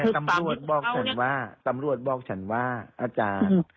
ตำรวจบอกฉันว่าตำรวจบอกฉันว่าอาจารย์